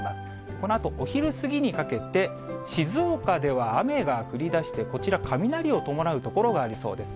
このあとお昼過ぎにかけて、静岡では雨が降りだして、こちら、雷を伴う所がありそうです。